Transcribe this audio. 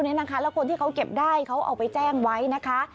แล้วคนที่เขาเก็บได้เขาเอาไปแจ้งไว้นะคะ